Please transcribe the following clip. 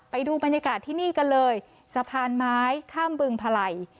ไปดูบรรยากาศที่นี่กันเลยสะพานไม้ข้ามบึงพลัย